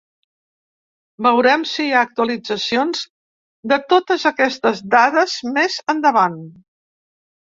Veurem si hi ha actualitzacions de totes aquestes dades més endavant.